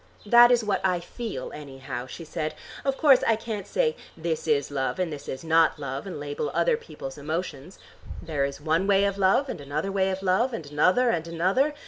"That is what I feel anyhow," she said. "Of course I can't say 'this is love' and 'this is not love,' and label other people's emotions. There is one way of love and another way of love, and another and another.